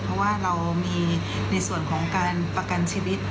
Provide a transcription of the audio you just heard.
เพราะว่าเรามีในส่วนของการประกันชีวิต